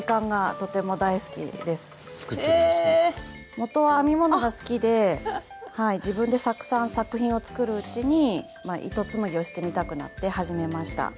もとは編み物が好きで自分でたくさん作品を作るうちに糸紡ぎをしてみたくなって始めました。